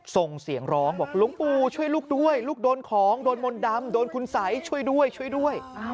ส่งเสียงร้องบอกหลวงปู่ช่วยลูกด้วยลูกโดนของโดนมนต์ดำโดนคุณสัยช่วยด้วยช่วยด้วย